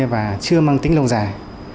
và chưa mang tính lông dài